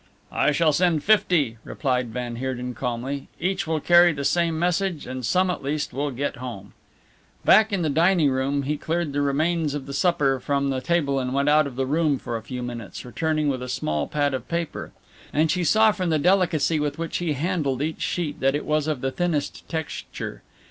"I shall send fifty," replied van Heerden calmly; "each will carry the same message and some at least will get home." Back in the dining room he cleared the remains of the supper from the table and went out of the room for a few minutes, returning with a small pad of paper, and she saw from the delicacy with which he handed each sheet that it was of the thinnest texture.